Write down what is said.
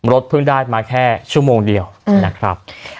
เพิ่งได้มาแค่ชั่วโมงเดียวนะครับ